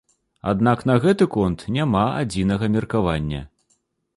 Аднак на гэты конт няма адзінага меркавання.